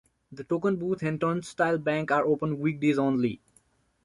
The token booth and turnstile bank are open weekdays only.